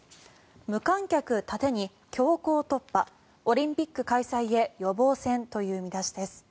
無観客盾に強行突破オリンピック開催へ予防線という見出しです。